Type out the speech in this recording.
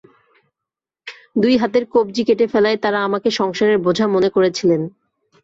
দুই হাতের কবজি কেটে ফেলায় তাঁরা আমাকে সংসারের বোঝা মনে করেছিলেন।